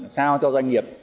sao cho doanh nghiệp